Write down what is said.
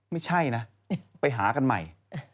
ไม่ใช่นะไปหากันใหม่